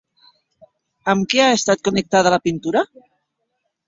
Amb què ha estat connectada la pintura?